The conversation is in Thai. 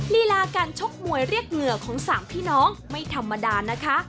ลีลาการชกมวยเรียกเหงื่อของสามพี่น้องไม่ธรรมดานะคะ